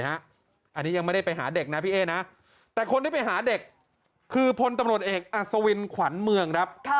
อันนี้ยังไม่ได้ไปหาเด็กนะพี่เอ๊นะแต่คนที่ไปหาเด็กคือพลตำรวจเอกอัศวินขวัญเมืองครับ